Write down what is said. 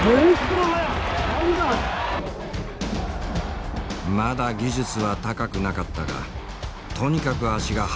まだ技術は高くなかったがとにかく足が速かった。